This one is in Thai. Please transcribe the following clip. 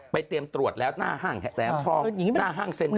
เตรียมตรวจแล้วหน้าห้างแหลมทองหน้าห้างเซ็นทร